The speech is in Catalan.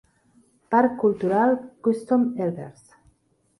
Parc cultural Custom-Elbers.